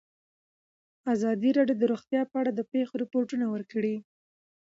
ازادي راډیو د روغتیا په اړه د پېښو رپوټونه ورکړي.